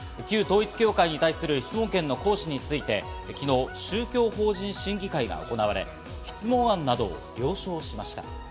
旧統一教会に対する質問権の行使について昨日、宗教法人審議会が行われ、質問案などを了承しました。